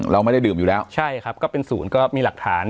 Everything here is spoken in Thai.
เราไม่ได้ดื่มอยู่แล้วใช่ครับก็เป็นศูนย์ก็มีหลักฐาน